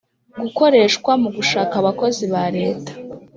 gukoreshwa mu gushaka abakozi ba Leta